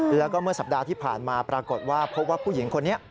แล้วก็เมื่อสัปดาห์ที่ผ่านมาปรากฏว่าพบว่าผู้หญิงคนนี้